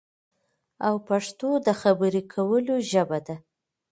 او پښتو د خبرو کولو ژبه شي